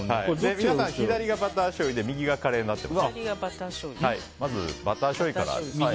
皆さん左がバターしょうゆで右がカレーになっております。